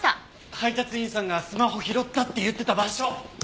配達員さんがスマホ拾ったって言ってた場所！